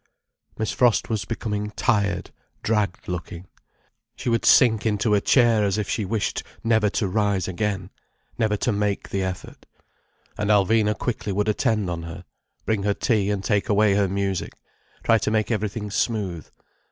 Miss Frost was becoming tired, dragged looking. She would sink into a chair as if she wished never to rise again—never to make the effort. And Alvina quickly would attend on her, bring her tea and take away her music, try to make everything smooth.